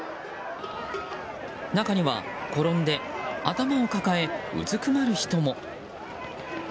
中には転んで頭を抱えうずくまる人も。